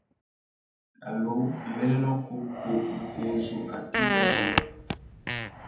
Allô ; mbérénô kǔkú ukú uzu, atê i tà tumba ?